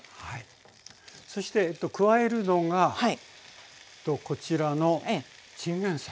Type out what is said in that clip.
そして加えるのがこちらのチンゲンサイ。